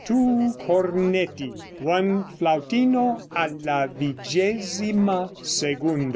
2 Cornetti. 1 Flautino alla vigesima secunda.